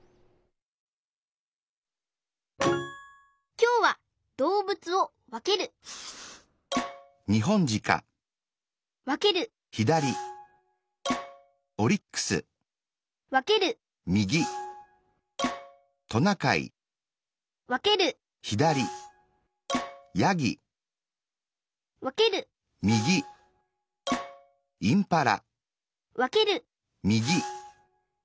きょうはどうぶつをわけるわけるわけるわけるわけるわける